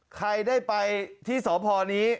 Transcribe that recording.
ใครได้ไปที่สพนี้